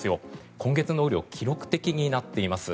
今月の雨量記録的になっています。